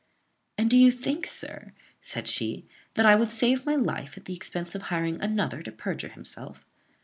"And do you think, sir," said she, "that I would save my life at the expense of hiring another to perjure himself?"